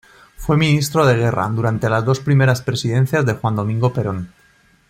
Fue Ministro de Guerra durante las dos primeras presidencias de Juan Domingo Perón.